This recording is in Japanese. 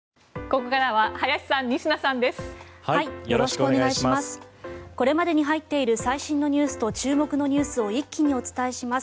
これまでに入っている最新のニュースと注目のニュースを一気にお伝えします。